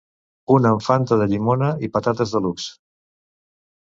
Un amb fanta de llimona i patates deluxe.